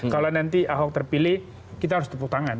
kalau nanti ahok terpilih kita harus tepuk tangan